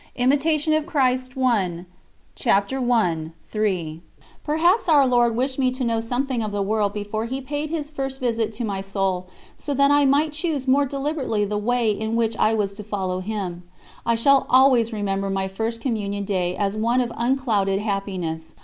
" Perhaps Our Lord wished me to know something of the world before He paid His first visit to my soul, so that I might choose more deliberately the way in which I was to follow Him. I shall always remember my First Communion Day as one of unclouded happiness.